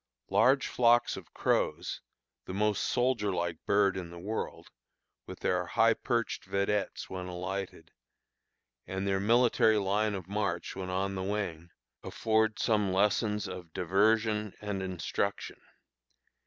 Large flocks of crows the most soldier like bird in the world with their high perched vedettes when alighted, and their military line of march when on the wing, afford some lessons of diversion and instruction.